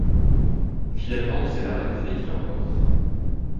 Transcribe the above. Finalement, c'est la Renfe qui l'emporte.